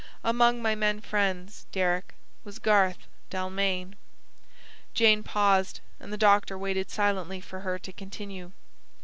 Among my men friends, Deryck, was Garth Dalmain." Jane paused, and the doctor waited silently for her to continue.